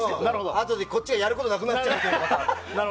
あとでこっちがやることなくなっちゃう。